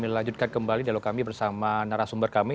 kita lanjutkan kembali dalam kami bersama narasumber kami